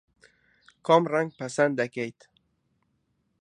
کام ڕەنگ پەسەند دەکەیت؟